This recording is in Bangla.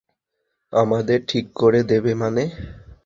আমাদের ঠিক করে দেবে মানে?